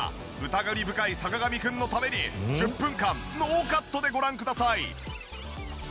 疑り深い坂上くんのために１０分間ノーカットでご覧ください。